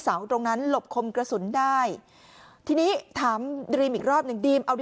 ตรงนั้นหลบคมกระสุนได้ทีนี้ถามดรีมอีกรอบหนึ่งดีมเอา